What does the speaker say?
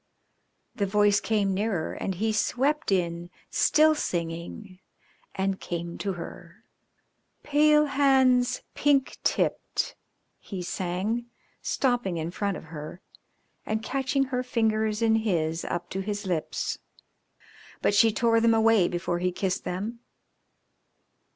"_ The voice came nearer and he swept in, still singing, and came to her. "Pale hands, pink tipped," he sang, stopping in front of her and catching her fingers in his up to his lips, but she tore them away before he kissed them.